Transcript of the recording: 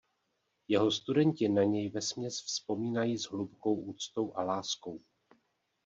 Jeho studenti na něj vesměs vzpomínají s hlubokou úctou a láskou.